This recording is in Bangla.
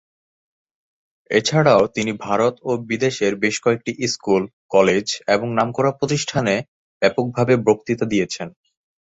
এছাড়াও তিনি ভারত ও বিদেশের বেশ কয়েকটি স্কুল, কলেজ এবং নামকরা প্রতিষ্ঠানে ব্যাপকভাবে বক্তৃতা দিয়েছেন।